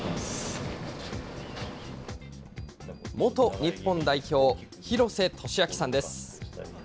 元日本代表、廣瀬俊朗さんです。